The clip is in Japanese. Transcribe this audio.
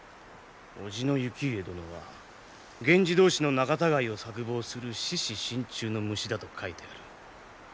叔父の行家殿は源氏同士の仲たがいを策謀する「獅子身中の虫」だと書いてある。